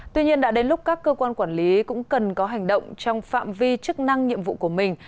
tuy nhiên đã đến lúc các cơ quan quản lý cũng cần có hành động trong phạm vi chức năng nhiệm vụ của mình